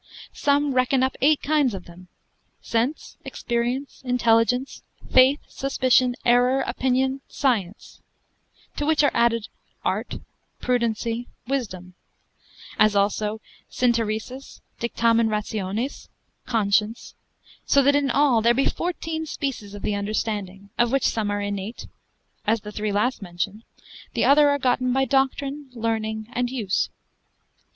Some reckon up eight kinds of them, sense, experience, intelligence, faith, suspicion, error, opinion, science; to which are added art, prudency, wisdom: as also synteresis, dictamen rationis, conscience; so that in all there be fourteen species of the understanding, of which some are innate, as the three last mentioned; the other are gotten by doctrine, learning, and use.